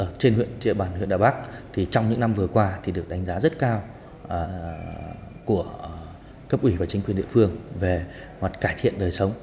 ở trên địa bàn huyện đà bắc trong những năm vừa qua được đánh giá rất cao của cấp ủy và chính quyền địa phương về hoạt cải thiện đời sống